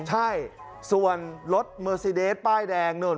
ใช่ส่วนรถเมอร์ซีเดสป้ายแดงนู่น